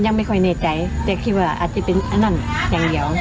ยังไม่ค่อยแน่ใจแต่คิดว่าอาจจะเป็นอันนั้นอย่างเดียว